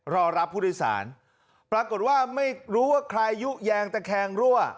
รอรับผู้โดยสารปรากฏว่าไม่รู้ว่าใครยุแยงตะแคงรั่ว